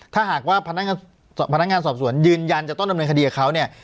ถ้าหากว่าพนักงานสอบสวนยืนยันจะต้องดำเนินคดีกับเขาเนี่ย